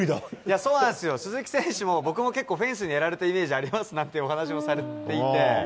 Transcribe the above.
そうなんですよ、鈴木選手も僕も結構、フェンスにやられたイメージありますなんていうお話もされていて。